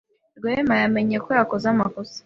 Rwema yamenye ko yakoze amakosa.